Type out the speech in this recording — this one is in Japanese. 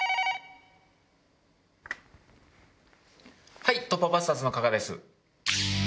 はい突破バスターズの加賀です。